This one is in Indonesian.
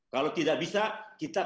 kalau tidak bisa kita